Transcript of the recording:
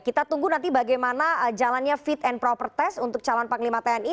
kita tunggu nanti bagaimana jalannya fit and proper test untuk calon panglima tni